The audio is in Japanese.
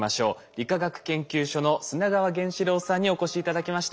理化学研究所の砂川玄志郎さんにお越し頂きました。